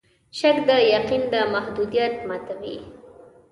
شک د یقین د محدودیت ماتوي.